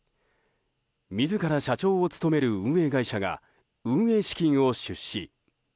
自ら社長を務める運営会社が運営資金を出資。